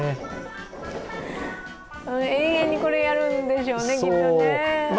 永遠にこれやるんでしょうね、きっとね。